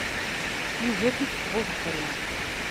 Yugi ad t-iffeɣ ubeḥri.